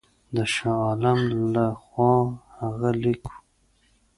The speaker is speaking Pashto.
د شاه عالم له خوا هغه لیک وو.